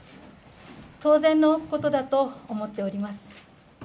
当然のことだと思っております。